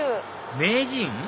名人？